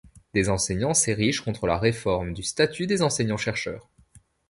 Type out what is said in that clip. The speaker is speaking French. Des enseignants s'érigent contre la réforme du statut des enseignants-chercheurs.